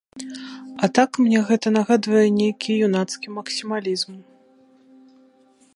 А так мне гэта нагадвае нейкі юнацкі максімалізм.